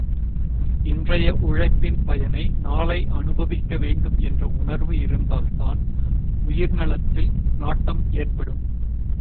இன்றைய உழைப்பின் பயனை நாளை அனுபவிக்க வேண்டும் என்ற உணர்வு இருந்தால்தான் உயிர்நலத்தில் நாட்டம் ஏற்படும்.